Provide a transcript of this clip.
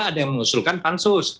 ada yang mengusulkan pansus